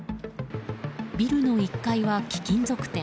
ビルの１階は貴金属店。